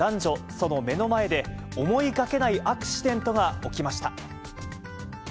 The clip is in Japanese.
その目の前で、思いがけないアクシデントが起きました。